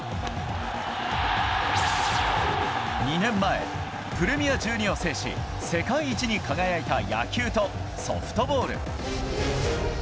２年前、プレミア１２を制し世界一に輝いた野球とソフトボール。